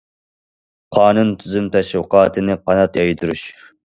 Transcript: قانۇن تۈزۈم تەشۋىقاتىنى قانات يايدۇرۇش.